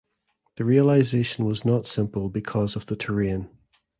The realization was not simple because of the terrain.